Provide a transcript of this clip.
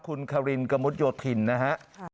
คุณคารินกระมุดโยธินนะฮะ